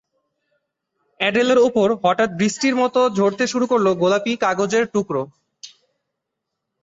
অ্যাডেলের ওপর হঠাৎ বৃষ্টির মতো ঝরতে শুরু করল গোলাপি কাগজের টুকরো।